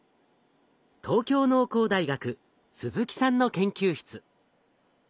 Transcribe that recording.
東京農工大学鈴木さんの研究室。